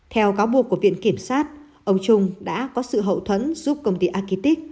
theo cáo buộc của viện kiểm soát ông trung đã có sự hậu thuẫn giúp công ty akitik